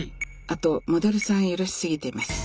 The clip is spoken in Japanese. あとモデルさん揺らし過ぎてます。